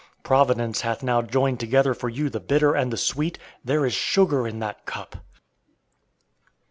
Providence hath now joined together for you the bitter and the sweet, there is sugar in that cup!